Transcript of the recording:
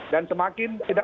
dan semakin tidak